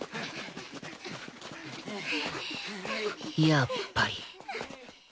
やっぱり